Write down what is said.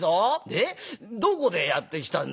でどこでやってきたんだ？」。